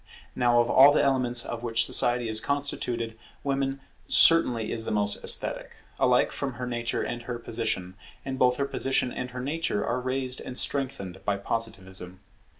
Now of all the elements of which society is constituted, Woman certainly is the most esthetic, alike from her nature and her position; and both her position and her nature are raised and strengthened by Positivism.